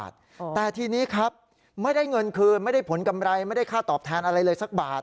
เธอไม่ได้ผลกำไรไม่ได้ค่าตอบแทนอะไรเลยสักบาท